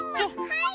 はい。